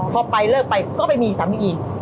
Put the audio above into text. พอไปเลิกไปก็ไปมีสามีอีก